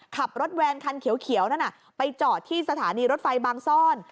ขับรถแวนคันเขียวนั่นน่ะไปจอดที่สถานีรถไฟบางซ่อน